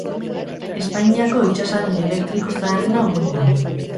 Espainiako itsasargi elektriko zaharrena omen da.